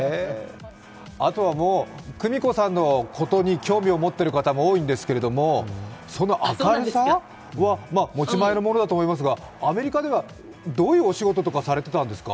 あとはもう、久美子さんのことに興味を持っている方も多いんですけれども、その明るさは、持ち前のものだと思いますが、アメリカではどういうお仕事とかされていたんですか？